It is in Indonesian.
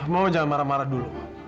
mau jangan marah marah dulu